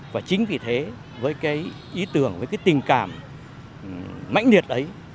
và chính vì thế với cái ý tưởng với cái tình cảm mạnh nhiệt ấy